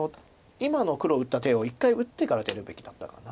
今の黒打った手を１回打ってから出るべきだったかな。